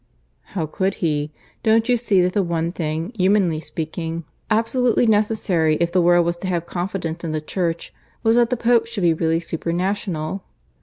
"How could he? Don't you see that the one thing, humanly speaking, absolutely necessary if the world was to have confidence in the Church, was that the Pope should be really supra national?